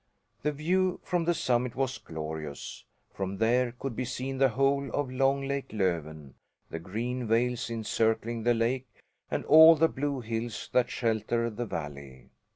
The view from the summit was glorious. From there could be seen the whole of long Lake Löven, the green vales encircling the lake and all the blue hills that shelter the valley.